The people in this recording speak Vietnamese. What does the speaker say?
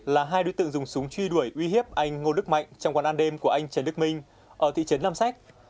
là hai đối tượng dùng súng truy đuổi uy hiếp anh ngô đức mạnh trong quán ăn đêm của anh trần đức minh ở thị trấn nam sách